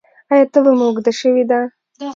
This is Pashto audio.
ایا تبه مو اوږده شوې ده؟